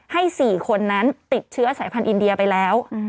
ให้๔คนนั้นติดเชื้อสายพันธุอินเดียไปแล้ว